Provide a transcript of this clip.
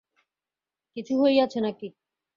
কিছু হইয়াছে নাকি।